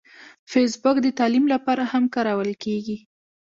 فېسبوک د تعلیم لپاره هم کارول کېږي